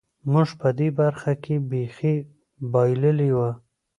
موږ په دې برخه کې بېخي بایللې وه.